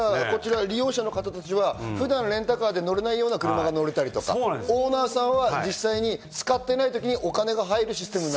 利用者の方たちは普段レンタカーで乗れないような車が乗れたりとか、オーナーさんは実際に使ってない時にお金が入るシステム。